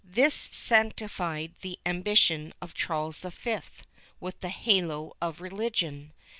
This sanctified the ambition of Charles V with the halo of religion.